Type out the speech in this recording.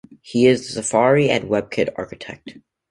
He is the Safari and WebKit Architect.